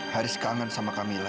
haris kangen sama camilla